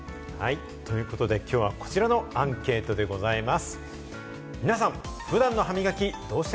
ということで、今日はこちらのアンケートでございます。